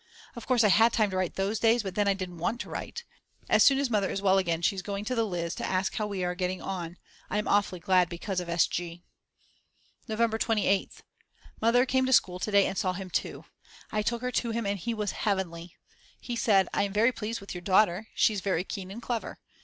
Of course I had time to write those days, but then I didn't want to write. As soon as Mother is well again she's going to the Lyz to ask how we are getting on I'm awfully glad because of S.G. November 28th. Mother came to school to day and saw him too. I took her to him and he was heavenly. He said: I am very pleased with your daughter; she's very keen and clever.